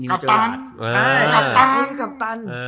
กัปตันใช่กัปตัน